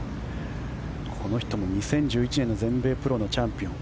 この人も２０１１年の全米プロのチャンピオン。